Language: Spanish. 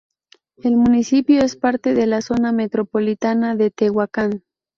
El municipio es parte de la zona metropolitana de Tehuacán.